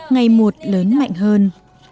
ngày một lớn mạnh hơn